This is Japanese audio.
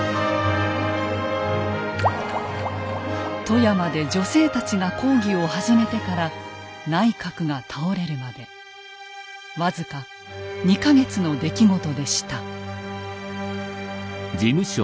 富山で女性たちが抗議を始めてから内閣が倒れるまで僅か２か月の出来事でした。